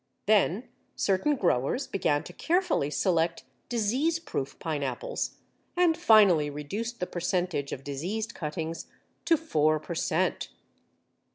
Then certain growers began to carefully select disease proof pineapples, and finally reduced the percentage of diseased cuttings to four per cent.